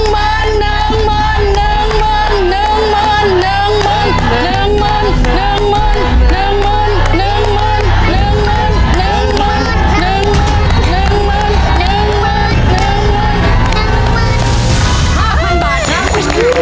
๕๐๐๐บาทแล้ว